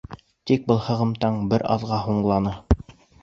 Тик был һығымтаң бер аҙға һуңланы.